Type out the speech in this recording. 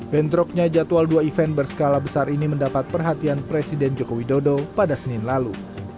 bentroknya jadwal dua event berskala besar ini mendapat perhatian presiden joko widodo pada senin lalu